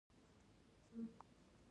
لس میاشتې معاش له ضمایمو سره ورکول کیږي.